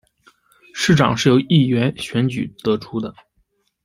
市长是由议员选举得出的。